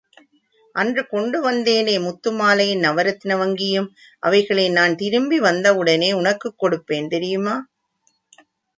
அன்று கொண்டு வந்தேனே முத்துமாலையும் நவரத்ன வங்கியும் அவைகளை நான் திரும்பி வந்த வுடனே உனக்குக் கொடுப்பேன், தெரியுமா?